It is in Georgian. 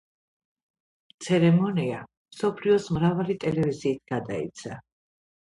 ცერემონია მსოფლიოს მრავალი ტელევიზიით გადაიცა.